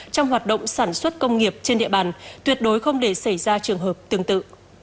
trong hoạt động sản xuất công nghiệp trên địa bàn tuyệt đối không để xảy ra trường hợp tương tự